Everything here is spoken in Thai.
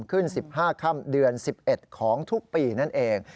ขึ้น๑๕ค่ำเดือน๑๑ของทุกปีนั่นเอง